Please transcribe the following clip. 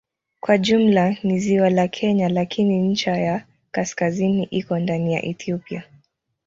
Kwa jumla ni ziwa la Kenya lakini ncha ya kaskazini iko ndani ya Ethiopia.